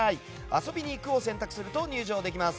遊びにいくを選択すると入場できます。